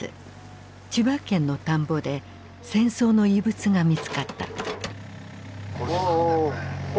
千葉県の田んぼで戦争の遺物が見つかった。